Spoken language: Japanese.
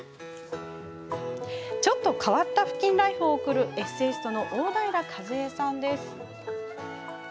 ちょっと変わったふきんライフを送るエッセイストの大平一枝さんです。